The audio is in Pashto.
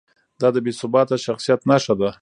دا د بې ثباته شخصیت نښه ده.